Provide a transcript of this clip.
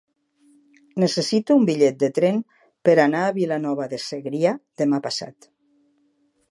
Necessito un bitllet de tren per anar a Vilanova de Segrià demà passat.